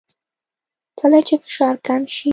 کله چې فشار کم شي